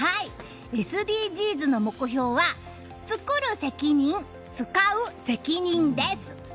ＳＤＧｓの目標は「つくる責任、つかう責任」です。